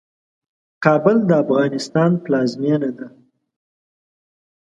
کابل د افغانستان پلازمينه ده.